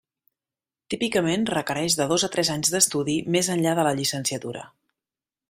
Típicament requereix de dos a tres anys d'estudi més enllà de la llicenciatura.